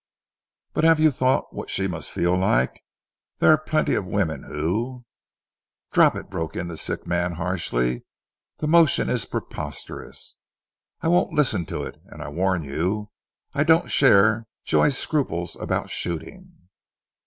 But have you thought what she must feel like? There are plenty of women who " "Drop it," broke in the sick man harshly. "The motion is preposterous. I won't listen to it; and I warn you, I don't share Joy's scruples about shooting."